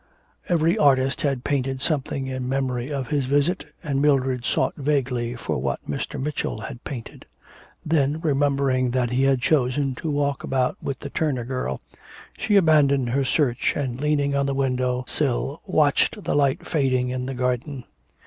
Every artist had painted something in memory of his visit, and Mildred sought vaguely for what Mr. Mitchell had painted. Then, remembering that he had chosen to walk about with the Turner girl, she abandoned her search and, leaning on the window sill, watched the light fading in the garden.